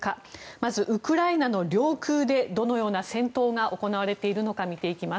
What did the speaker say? まず、ウクライナの領空でどのような戦闘が行われているのか見ていきます。